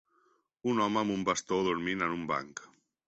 Un home amb un bastó dormint en un banc.